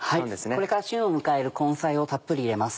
これから旬を迎える根菜をたっぷり入れます。